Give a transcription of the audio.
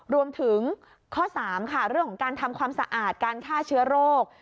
รวมถึงข้อ๓ค่ะเรื่องของการทำความสะอาดการฆ่าเชื้อโรค